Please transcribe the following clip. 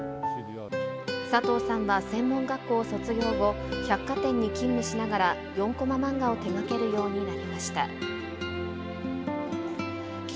サトウさんは専門学校を卒業後、百貨店に勤務しながら、４コマ漫画を手がけるようになりました。